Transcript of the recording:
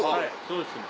そうですね。